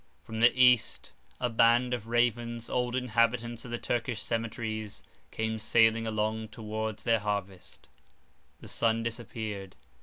From the east, a band of ravens, old inhabitants of the Turkish cemeteries, came sailing along towards their harvest; the sun disappeared.